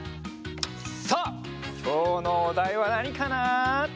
さあきょうのおだいはなにかな？